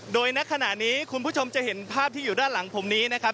โดยณขณะนี้คุณผู้ชมจะเห็นภาพที่อยู่ด้านหลังผมนี้นะครับ